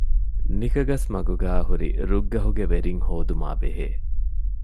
ނިކަގަސްމަގުގައި ހުރި ރުއްގަހުގެ ވެރިން ހޯދުމާބެހޭ